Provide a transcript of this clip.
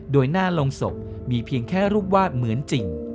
โดยหน้าลงศพมีเพียงแค่รูปวาดเหมือนจริง